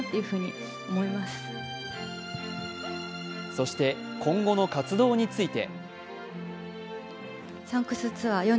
そして今後の活動について。